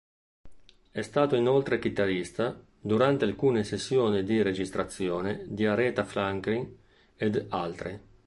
È stato inoltre chitarrista durante alcune sessioni di registrazione di Aretha Franklin ed altri.